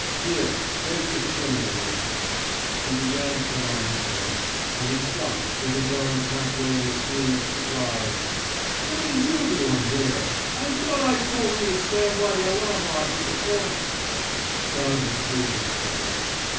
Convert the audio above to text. ..• Here, take this jimmy a minute/^ He began to put on his coat; and he stopped, with his arms half way in the sleeves, to cry: What^re you doin' here! I thought I toP you to stand by the alarm box at the corner/^ Donnelly cleared his throat.